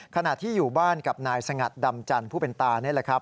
ขณะที่อยู่บ้านกับนายสงัดดำจันทร์ผู้เป็นตานี่แหละครับ